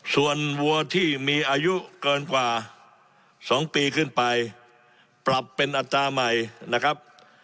ส่วนวัวที่มีอายุเกินกว่า๒ปีขึ้นไปปรับเป็นอัตราใหม่นะครับ